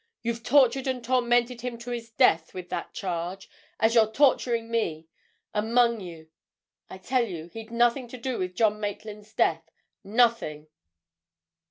You've tortured and tormented him to his death with that charge, as you're torturing me—among you. I tell you he'd nothing to do with John Maitland's death—nothing!"